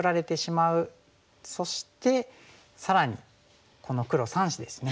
そして更にこの黒３子ですね。